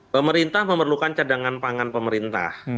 pemerintah memerlukan cadangan pangan pemerintah